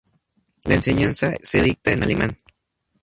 La enseñanza se dicta en alemán.